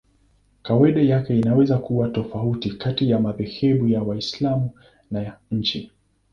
Kawaida yake inaweza kuwa tofauti kati ya madhehebu ya Waislamu na nchi.